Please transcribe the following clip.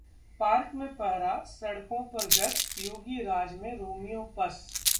park में पहरा, सड़कों पर गश्त, योगी राज में रोमियो पस्त